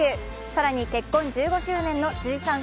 更に結婚１５周年の辻さん